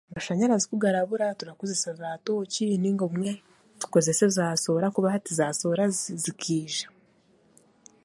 Amashanyarazi kugarabura turakoresa za tooci nainga obumwe tukozese za soora ahabwokuba naza soora zikaija